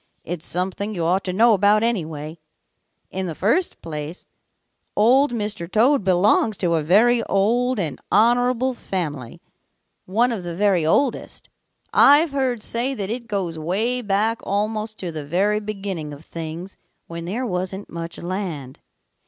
"It's something you ought to know about, anyway. In the first place, Old Mr. Toad belongs to a very old and honorable family, one of the very oldest. I've heard say that it goes way back almost to the very beginning of things when there wasn't much land.